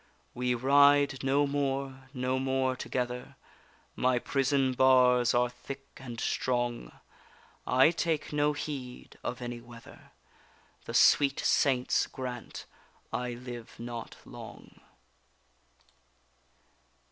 We ride no more, no more together; My prison bars are thick and strong, I take no heed of any weather, The sweet Saints grant I live not long.